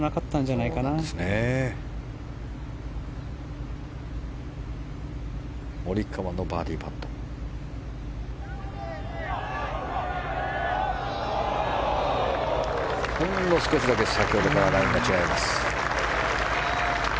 ほんの少しだけ先ほどとはラインが違います。